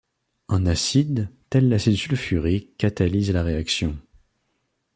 Un acide, tel l'acide sulfurique, catalyse la réaction.